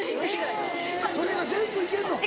それ以外全部いけんの？